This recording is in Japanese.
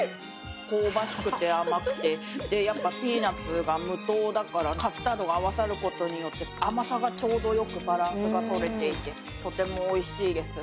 香ばしくて甘くてピーナツが無糖だからカスタードが合わさることによって甘さがちょうどよくバランスが取れていてとてもおいしいです。